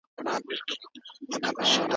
د زعفرانو کورنۍ لویه کېږي.